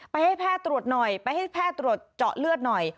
ให้แพทย์ตรวจหน่อยไปให้แพทย์ตรวจเจาะเลือดหน่อย